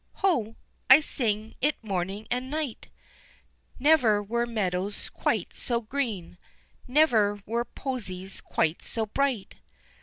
_" Ho! I sing it morning and night, Never were meadows quite so green, Never were posies quite so bright.